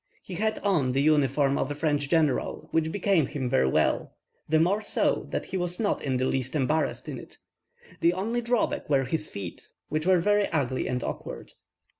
He had on the uniform of a French general, which became him very well; the more so, that he was not in the least embarrassed in it. The only drawback were his feet, which were very ugly and awkward.